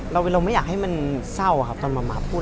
เราไม่อยากให้มันเศร้าครับตอนมาพูด